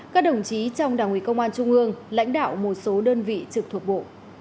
các đồng chí trong đảng ủy công an trung ương lãnh đạo một số đơn vị trực thuộc bộ